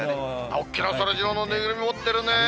おっきなそらジローの縫いぐるみ持ってるね。